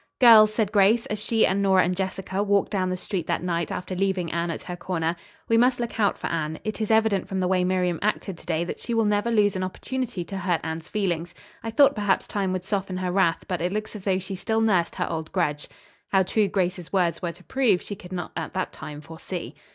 "Girls," said Grace, as she and Nora and Jessica walked down the street that night after leaving Anne at her corner, "we must look out for Anne. It is evident from the way Miriam acted to day that she will never lose an opportunity to hurt Anne's feelings. I thought perhaps time would soften her wrath, but it looks as though she still nursed her old grudge." How true Grace's words were to prove she could not at that time foresee.